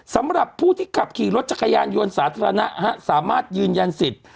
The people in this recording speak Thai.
สำหรับผู้ที่ขับขี่รถจักรยานยนต์สาธารณะสามารถยืนยันสิทธิ์